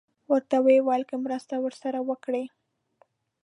ورته یې وویل که مرسته ورسره وکړي.